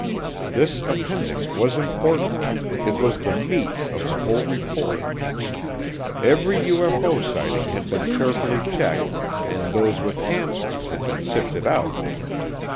This appendix was important it was the meat of the whole report. Every UFO sighting had been carefully checked, and those with answers had been sifted out.